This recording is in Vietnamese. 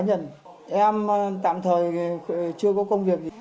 em tạm thời chưa có công việc gì